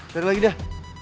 cari lagi deh